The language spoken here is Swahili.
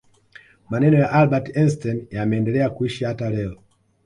maneno ya albert einstein yameendelea kuishi hata leo